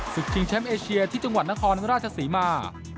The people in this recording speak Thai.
ชิงแชมป์เอเชียที่จังหวัดนครราชศรีมา